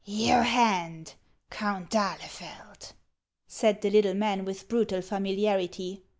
" Your hand, Count d'Ahlefeld," said the little man, with brutal familiarity.